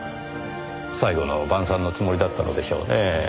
最後の晩餐のつもりだったのでしょうねぇ。